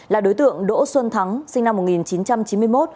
là đối tượng đỗ xuân thắng sinh năm một nghìn chín trăm chín mươi một